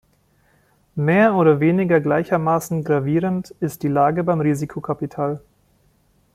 Mehr oder weniger gleichermaßen gravierend ist die Lage beim Risikokapital.